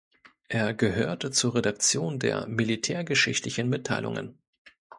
Er gehörte zur Redaktion der "Militärgeschichtlichen Mitteilungen".